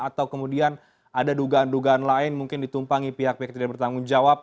atau kemudian ada dugaan dugaan lain mungkin ditumpangi pihak pihak yang tidak bertanggung jawab